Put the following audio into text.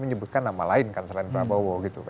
menyebutkan nama lain kan selain prabowo